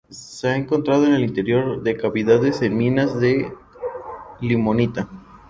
Se ha encontrado en el interior de cavidades en minas de limonita.